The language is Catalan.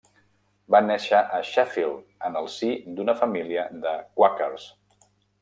Va néixer a Sheffield en el si d'una família de quàquers.